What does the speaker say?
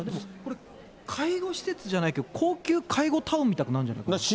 これ、介護施設じゃないけど、高級介護タウンみたいになるんじゃないかな。